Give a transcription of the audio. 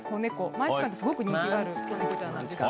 マンチカンってすごく人気がある猫ちゃんなんです。